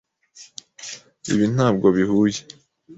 Ibi ntabwo bihuye.